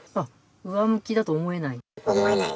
上向きだと思えない？